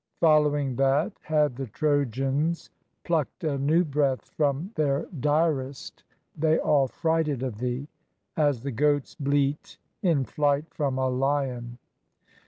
Following that had the Trojans plucked a new breath from their direst, They all frighted of thee, as the goats bleat in flight from a lion."